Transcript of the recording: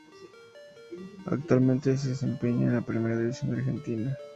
Actualmente se desempeña en la Primera División de Argentina.